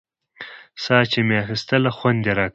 ساه چې مې اخيستله خوند يې راکاوه.